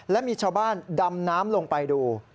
และมีชาวบ้านดำน้ำลงไปดู